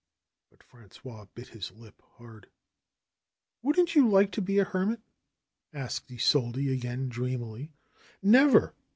But Frangois bit his lip hard. '^WouldnT you like to be a hermit?" asked Isolde again dreamily. ^'Never